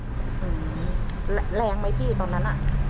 แรงไหมพี่ตอนนั้นอะ